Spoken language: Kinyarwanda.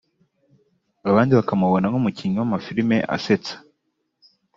abandi bakamubona nk’umukinnyi w’amafilimi asetsa